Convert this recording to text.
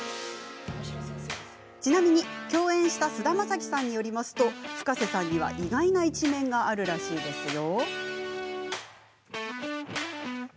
ちなみに共演した菅田将暉さんによるとＦｕｋａｓｅさんには意外な一面があるらしいですよ。